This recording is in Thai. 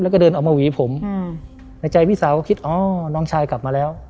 แล้วก็เดินออกมาหวีผมในใจพี่สาวก็คิดอ๋อน้องชายกลับมาแล้ว